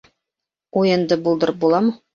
Уйынды булдырып буламы?